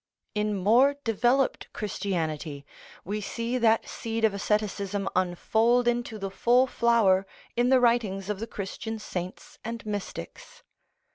In more developed Christianity, we see that seed of asceticism unfold into the full flower in the writings of the Christian saints and mystics.